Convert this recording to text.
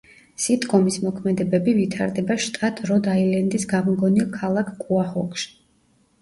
სიტკომის მოქმედებები ვითარდება შტატ როდ აილენდის გამოგონილ ქალაქ კუაჰოგში.